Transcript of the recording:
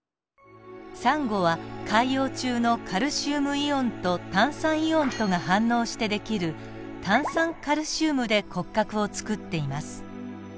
サンゴは海洋中のカルシウムイオンと炭酸イオンとが反応してできる炭酸カルシウムで骨格をつくっています。